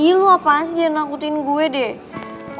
iya lo apaan sih jangan nakutin gue deh